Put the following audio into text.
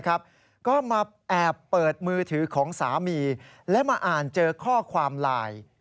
ก็มาแอบเปิดมือถือของสามีและมาอ่านเจอข้อความไลน์